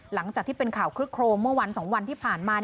หลังจากที่เป็นข่าวคลึกโครมเมื่อวัน๒วันที่ผ่านมา